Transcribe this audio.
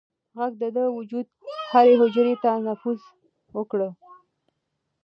غږ د ده د وجود هرې حجرې ته نفوذ وکړ.